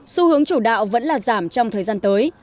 xu hướng chủ đạo vẫn là giảm trong thời gian tới